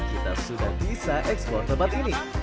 kita sudah bisa eksplor tempat ini